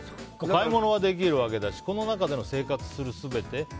買い物ができるわけだしこの中で生活する全て。